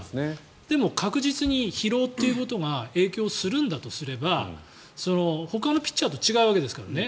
でも確実に疲労ということが影響するのであればほかのピッチャーと違うわけですからね。